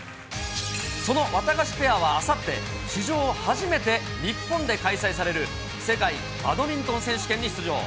そのワタガシペアはあさって、史上初めて日本で開催される、世界バドミントン選手権に出場。